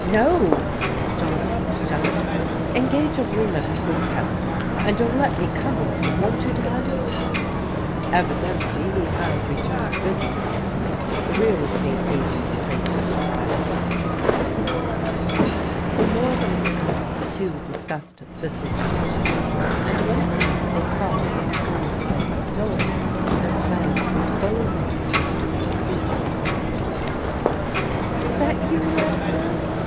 "No," John almost shouted. "Engage a room at a hotel! And you'll let me come with you, won't you. Dad?" pes X JIM BARNES TAKES A LICKING 167 "Evidently he has returned to business again. The real estate agent's place is in Bywell Street." For more than an hour the two discussed the situation, and when at length they parted at the Colonel's bedroom door, their plans were fully made as to their future pro ceedings. "Is that you, Lester?"